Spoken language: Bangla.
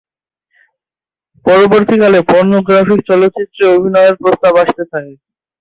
পরবর্তীকালে পর্নোগ্রাফিক চলচ্চিত্রে অভিনয়ের প্রস্তাব আসতে থাকে।